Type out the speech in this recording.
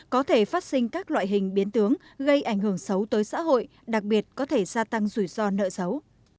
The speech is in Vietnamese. có thể phát sinh các loại hình biến tướng gây ảnh hưởng xấu tới xã hội đặc biệt có thể gia tăng rủi ro nợ xấu